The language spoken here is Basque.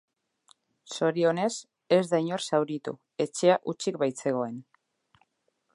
Zorionez, ez da inor zauritu, etxea hutsik baitzegoen.